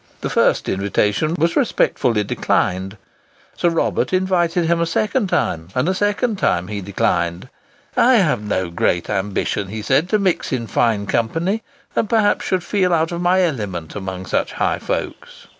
The first invitation was respectfully declined. Sir Robert invited him a second time, and a second time he declined: "I have no great ambition," he said, "to mix in fine company, and perhaps should feel out of my element amongst such high folks."